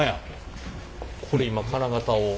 これ今金型を。